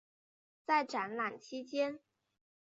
在展览期间。